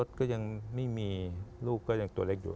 รถก็ยังไม่มีลูกก็ยังตัวเลขดู